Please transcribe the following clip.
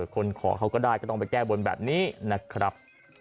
ขอเขาก็ได้ก็ต้องไปแก้บนแบบนี้นะครับ